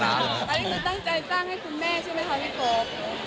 ตั้งใจสร้างให้คุณแม่ใช่ไหมครับพี่โก๊ค